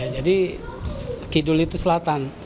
jadi kidul itu selatan